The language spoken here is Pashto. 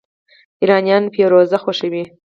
ایرانیان فیروزه خوښوي.